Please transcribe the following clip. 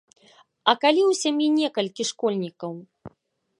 А калі ў сям'і некалькі школьнікаў?